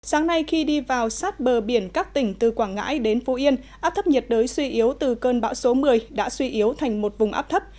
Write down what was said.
sáng nay khi đi vào sát bờ biển các tỉnh từ quảng ngãi đến phú yên áp thấp nhiệt đới suy yếu từ cơn bão số một mươi đã suy yếu thành một vùng áp thấp